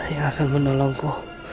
yang akan menolongku